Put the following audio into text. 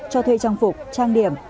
cho thuê trang phục trang điểm